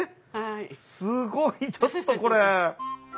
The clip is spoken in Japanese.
すごいちょっとこれ。